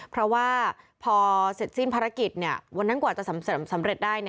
เพราะว่าพอเสร็จสิ้นภารกิจวันนั้นกว่าจะสำเร็จได้